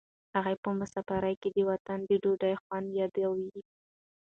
هغه په مسافرۍ کې د وطن د ډوډۍ خوند یادوي.